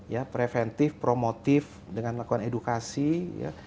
ya preventif promotif dengan lakukan edukasi ya